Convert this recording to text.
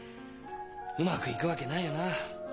うまくいくわけないよな。